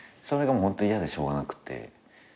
それがホント嫌でしょうがなくて。